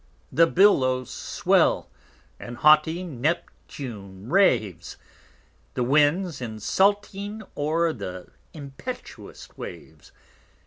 The Billows swell, and haughty_ Neptune _raves, The Winds insulting o're th' impetuous Waves.